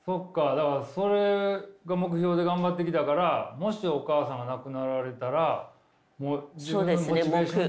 だからそれが目標で頑張ってきたからもしお母さんが亡くなられたらもう自分のモチベーション。